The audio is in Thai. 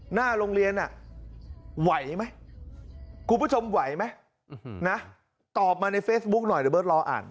หน้าโรงเรียนไหวไหมคุณผู้ชมไหวไหมนะตอบมาในเฟซบุ๊คหน่อยเดี๋ยวเบิร์ตรออ่าน